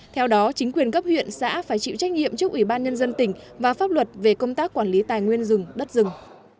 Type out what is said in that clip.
theo đó chính quyền cấp huyện xã phải chịu trách nhiệm trước ủy ban nhân dân tỉnh và pháp luật về công tác quản lý tài nguyên rừng đất rừng